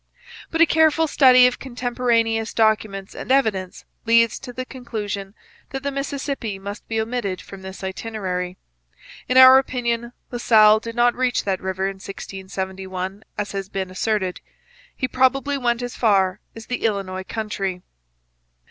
But a careful study of contemporaneous documents and evidence leads to the conclusion that the Mississippi must be omitted from this itinerary. In our opinion La Salle did not reach that river in 1671, as has been asserted; he probably went as far as the Illinois country.